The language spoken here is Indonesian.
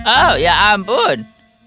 oh ya ampun